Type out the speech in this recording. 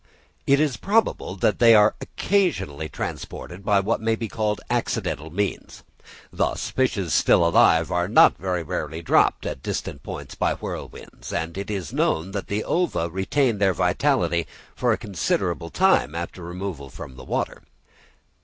It is probable that they are occasionally transported by what may be called accidental means. Thus fishes still alive are not very rarely dropped at distant points by whirlwinds; and it is known that the ova retain their vitality for a considerable time after removal from the water.